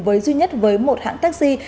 với duy nhất với một hãng taxi